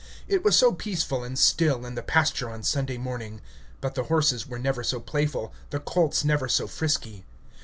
It was so peaceful and still in the pasture on Sunday morning; but the horses were never so playful, the colts never so frisky.